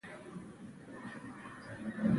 دوی شینوار د خپل حکومت پلازمینه وټاکه.